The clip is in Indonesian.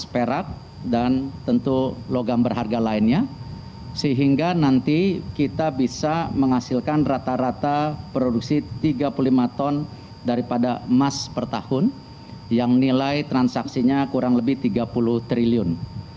pembangunan smelter di gresik juga mencapai rp lima puluh triliun